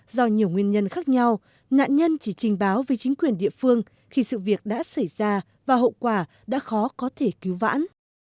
do nhiều nguyên nhân khác nhau nạn nhân chỉ trình báo với chính quyền địa phương khi sự việc đã xảy ra và hậu quả đã khó có thể cứu vãn